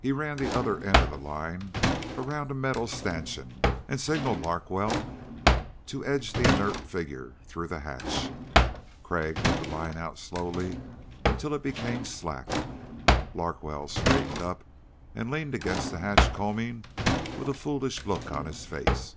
He ran the other end of the line around a metal stanchion and signaled Larkwell to edge the inert figure through the hatch. Crag let the line out slowly until it became slack. Larkwell straightened up and leaned against the hatch combing with a foolish look on his face.